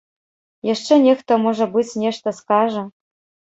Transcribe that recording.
Яшчэ нехта, можа быць, нешта скажа.